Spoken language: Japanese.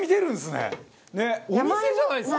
お店じゃないですか！